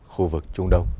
khu vực trung đông